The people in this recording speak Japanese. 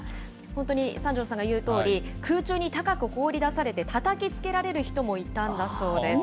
本当に三條さんが言うとおり、空中に高く放り出されて、たたきつけられる人もいたんだそうです。